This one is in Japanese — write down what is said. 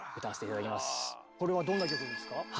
これはどんな曲ですか？